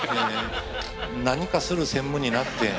何かする専務になって。